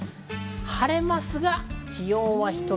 晴れますが、気温はひと桁。